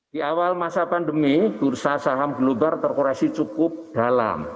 di awal masa pandemi bursa saham global terkoreksi cukup dalam